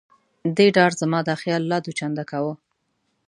دې ډار زما دا خیال لا دوه چنده کاوه.